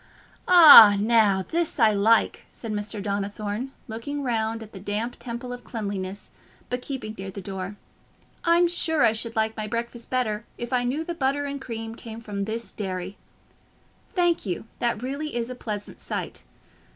"Ah, now this I like," said Mr. Donnithorne, looking round at the damp temple of cleanliness, but keeping near the door. "I'm sure I should like my breakfast better if I knew the butter and cream came from this dairy. Thank you, that really is a pleasant sight.